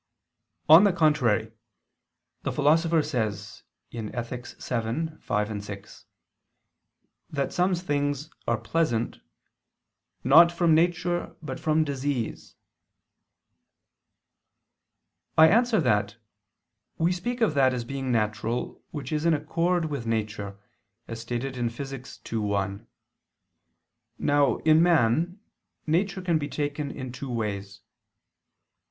On the contrary, The Philosopher says (Ethic. vii, 5, 6) that some things are pleasant "not from nature but from disease." I answer that, We speak of that as being natural, which is in accord with nature, as stated in Phys. ii, 1. Now, in man, nature can be taken in two ways.